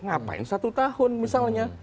ngapain satu tahun misalnya